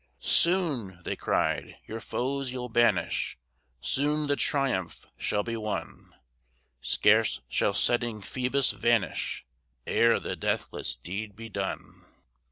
"Soon," they cried, "your foes you'll banish, Soon the triumph shall be won; Scarce shall setting Phoebus vanish, Ere the deathless deed be done."